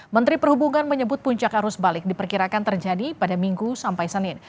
menteri perhubungan menyebut puncak arus balik diperkirakan terjadi pada minggu sampai senin